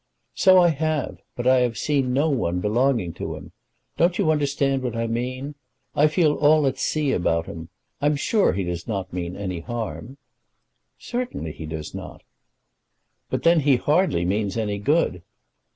"So I have, but I have seen no one belonging to him. Don't you understand what I mean? I feel all at sea about him. I am sure he does not mean any harm." "Certainly he does not." "But then he hardly means any good."